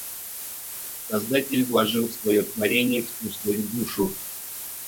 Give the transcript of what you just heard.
Создатель вложил в своё творенье всю свою душу.